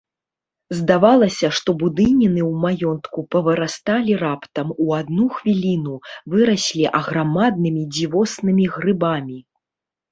Здавалася, што будыніны ў маёнтку павырасталі раптам, у адну хвіліну, выраслі аграмаднымі дзівоснымі грыбамі.